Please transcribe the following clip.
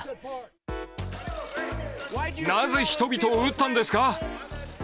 なぜ人々を撃ったんですか？